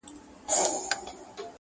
منتظر د ترقی د دې کهسار یو،